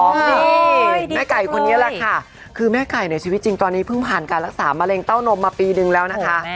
นี่แม่ไก่คนนี้แหละค่ะคือแม่ไก่ในชีวิตจริงตอนนี้เพิ่งผ่านการรักษามะเร็งเต้านมมาปีนึงแล้วนะคะ